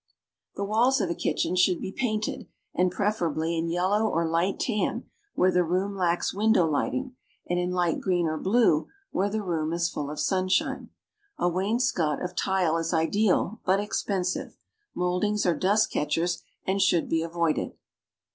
The walls of a kitchen should be painted, and preferably in yellow or light tan where the room lacks window lighting, and in light green or blue where the room is full of sunshine. A wain scot of tile is ideal but expensive. Moldings are dust catchers and should be avoided.